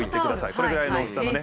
これぐらいの大きさのね。